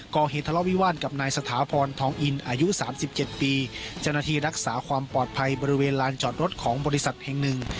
ก่อเหตุทะเลาะวิวาลกับนายสถาพรทองอินอายุ๓๗ปีเจ้าหน้าที่รักษาความปลอดภัยบริเวณลานจอดรถของบริษัทแห่งหนึ่ง